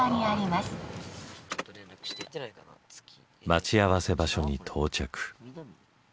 待ち合わせ場所に到着。